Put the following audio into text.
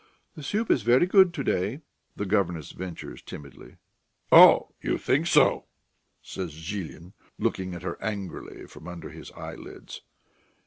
"The soup is very good to day," the governess ventures timidly. "Oh, you think so?" says Zhilin, looking at her angrily from under his eyelids.